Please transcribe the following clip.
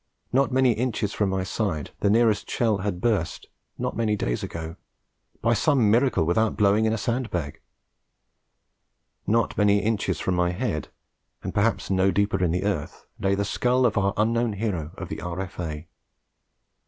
Not many inches from my side the nearest shell had burst, not many days ago by some miracle without blowing in a sand bag; not many inches from my head, and perhaps no deeper in the earth, lay the skull of our 'unknown hero of the R.F.A.'